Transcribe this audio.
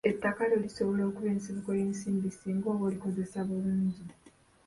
Ettaka lyo lisobola okuba ensibuko y'ensimbi singa oba olikozesezza bulungi.